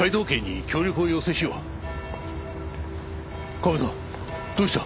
カメさんどうした？